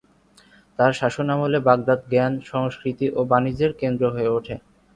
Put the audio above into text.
তার শাসনামলে বাগদাদ জ্ঞান, সংস্কৃতি ও বাণিজ্যের কেন্দ্র হয়ে উঠে।